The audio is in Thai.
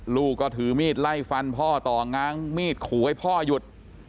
ลูกก็ถือมีดไล่ฟันพ่อต่อง้างมีดขู่ให้พ่อหยุด